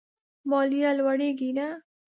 ماليه لوړېږي نه.